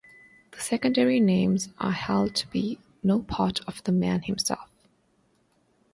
These secondary names are held to be no part of the man himself.